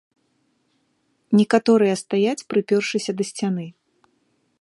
Некаторыя стаяць, прыпёршыся да сцяны.